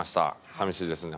寂しいですね